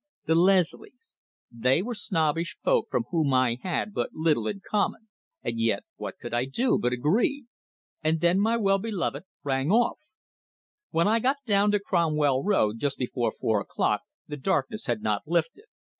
The Leslies! They were snobbish folk with whom I had but little in common. Yet what could I do but agree? And then my well beloved rang off. When I got down to Cromwell Road just before four o'clock, the darkness had not lifted.